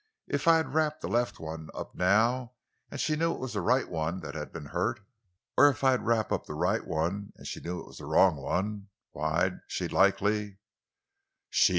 If I'd wrap the left one up, now, and she knew it was the right one that had been hurt—or if I'd wrap up the right one, and she knew it was the wrong one, why she'd likely——" _"She?"